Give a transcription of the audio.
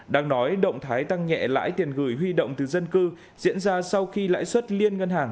đang nói động thái tăng nhẹ lãi tiền gửi huy động từ dân cư diễn ra sau khi lãi suất liên ngân hàng